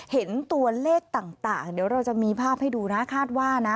เห็นตัวเลขต่างเดี๋ยวเราจะมีภาพให้ดูนะคาดว่านะ